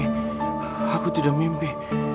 aku sudah mimpi